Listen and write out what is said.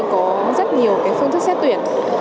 có rất nhiều phương thức xét tuyển